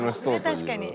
確かに。